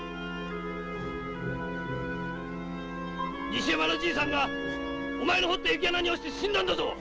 西山のじいさんがお前の掘った雪穴に落ちて死んだんだぞ！